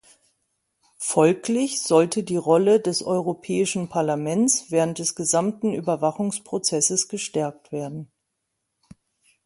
Folglich sollte die Rolle des Europäischen Parlaments während des gesamten Überwachungsprozesses gestärkt werden.